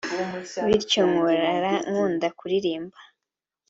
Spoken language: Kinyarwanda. bityo nkura nkunda kuririmba